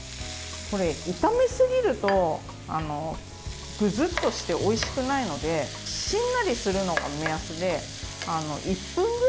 炒めすぎるとぐずっとしておいしくないのでしんなりするのが目安で１分ぐらいですかね。